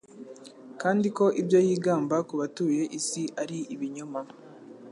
kandi ko ibyo yigamba ku batuye isi ari ibinyoma.